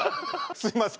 すみません！